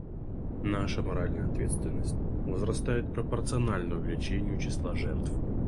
Наша моральная ответственность возрастает пропорционально увеличению числа жертв.